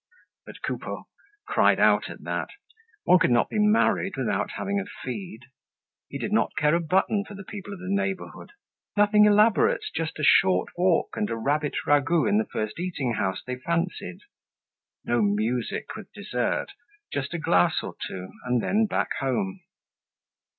But Coupeau cried out at that. One could not be married without having a feed. He did not care a button for the people of the neighborhood! Nothing elaborate, just a short walk and a rabbit ragout in the first eating house they fancied. No music with dessert. Just a glass or two and then back home.